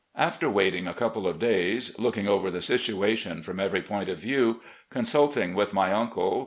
After waiting a couple of days, looking over the situation from every point of view, consulting with my uncle.